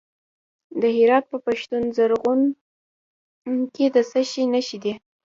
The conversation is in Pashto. د هرات په پښتون زرغون کې د څه شي نښې دي؟